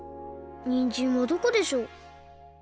にんじんはどこでしょう